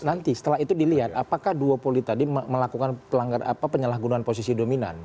nanti setelah itu dilihat apakah duopoli tadi melakukan pelanggar apa penyalahgunaan posisi dominan